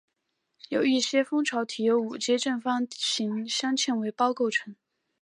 有一些蜂巢体由五阶正方形镶嵌为胞构成